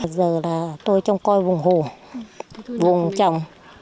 giờ là tôi trông coi vùng hồ vùng trồng